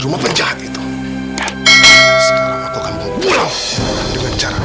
aku hanya butuh amirah kembali lagi ke rumah itu